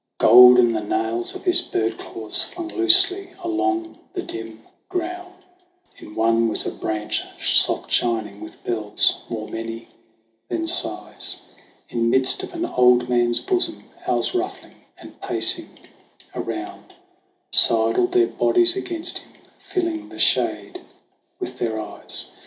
Golden the nails of his bird claws, flung loosely along the dim ground; In one was a branch soft shining, with bells more many than sighs, In midst of an old man's bosom ; owls ruffling and pacing around, THE WANDERINGS OF OISIN 127 Sidled their bodies against him, filling the shade with their eyes.